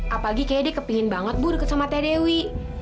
apalagi kayaknya dia kepingin banget ibu deket sama tadewi